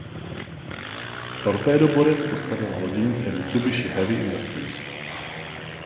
Torpédoborec postavila loděnice Mitsubishi Heavy Industries.